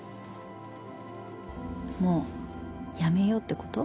もうやめようってこと？